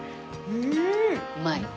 うまい？